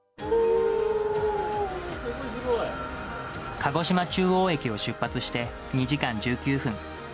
鹿児島中央駅を出発して、２時間１９分。